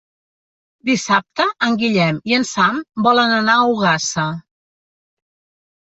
Dissabte en Guillem i en Sam volen anar a Ogassa.